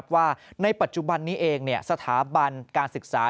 ว่าในปัจจุบันนี้เองสถาบันการศึกษา